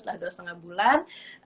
setelah dua lima bulan